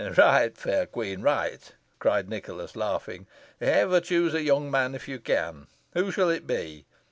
"Right, fair queen, right," cried Nicholas, laughing. "Ever choose a young man if you can. Who shall it be?"